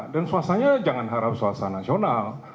dan swastanya jangan harap swasta nasional